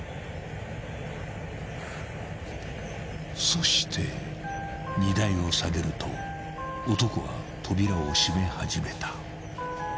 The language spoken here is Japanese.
［そして荷台を下げると男は扉を閉め始めた］